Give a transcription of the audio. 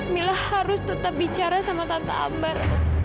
mila harus tetap bicara sama tante ambar